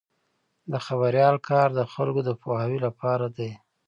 د خبریال کار د خلکو د پوهاوي لپاره دی.